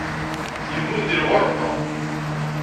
Yemmut deg lɣerba.